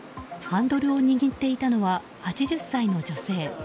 ハンドルを握っていたのは８０歳の女性。